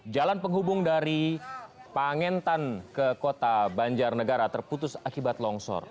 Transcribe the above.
jalan penghubung dari pangentan ke kota banjarnegara terputus akibat longsor